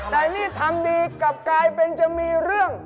แต่นี่ทำดีกลับกลายเป็นจะมีเรื่อง